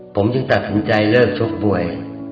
ผมจึงตัดสินใจเลิกชกมวย